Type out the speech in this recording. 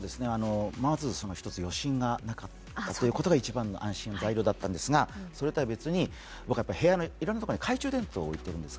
まず１つ余震かなかったということが１つ安心材料なんですが、それとは別に、部屋のいろんなところに懐中電灯を置いているんですよ。